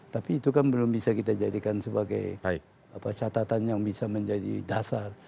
tapi itu kan belum bisa kita jadikan sebagai catatan yang bisa menjadi dasar